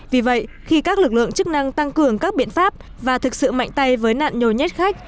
vì vậy khi các lực lượng chức năng tăng cường các biện pháp và thực sự mạnh tay với nạn nhồi nhét khách